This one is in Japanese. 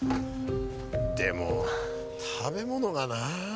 でも食べ物がな。